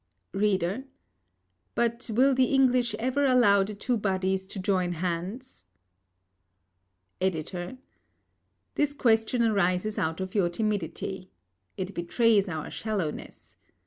READER: But will the English ever allow the two bodies to join hands? EDITOR: This question arises out of your timidity. It betrays our shallowness.